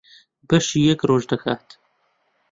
بەشی یەک ڕۆژ دەکات.